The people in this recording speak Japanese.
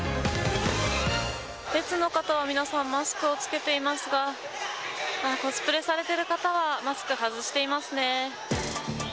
列の方は皆さん、マスクを着けていますが、コスプレされている方はマスク外していますね。